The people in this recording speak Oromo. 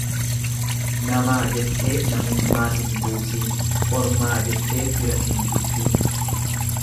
Namaa jettee namummaa hin buusiin, ormaa jettee fira hin jibbiin.